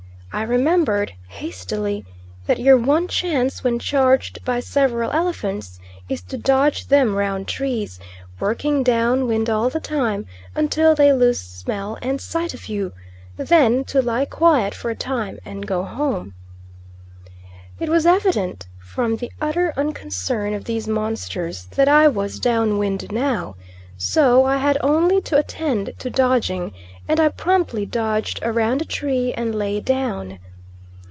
I remembered, hastily, that your one chance when charged by several elephants is to dodge them round trees, working down wind all the time, until they lose smell and sight of you, then to lie quiet for a time, and go home. It was evident from the utter unconcern of these monsters that I was down wind now, so I had only to attend to dodging, and I promptly dodged round a tree, and lay down.